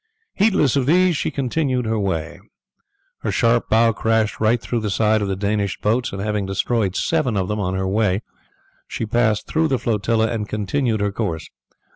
Heedless of these she continued her way. Her sharp bow crashed right through the side of the Danish boats, and having destroyed seven of them on her way she passed through the flotilla and continued her course.